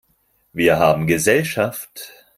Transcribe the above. Wir haben Gesellschaft!